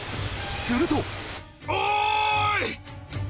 するとおい！